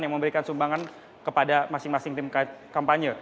diberikan sumbangan kepada masing masing tim kampanye